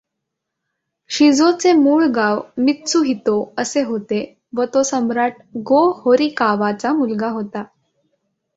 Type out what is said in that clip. शिजोचे मूळ नाव मित्सुहितो असे होते व तो सम्राट गो होरिकावाचा मुलगा होता.